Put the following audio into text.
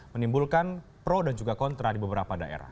menimbulkan pro dan juga kontra di beberapa daerah